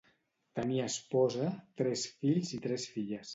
Tenia esposa, tres fills i tres filles.